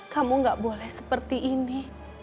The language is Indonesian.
kamu gak boleh seperti ini